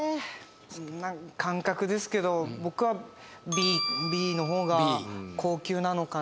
感覚ですけど僕はＢのほうが高級なのかな？